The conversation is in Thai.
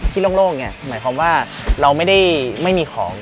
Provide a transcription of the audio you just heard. โล่งเนี่ยหมายความว่าเราไม่ได้ไม่มีของ